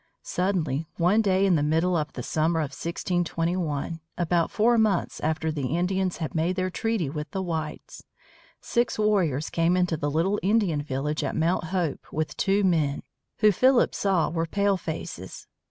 Suddenly, one day in the middle of the summer of 1621, about four months after the Indians had made their treaty with the whites, six warriors came into the little Indian village at Mount Hope with two men, who Philip saw were palefaces.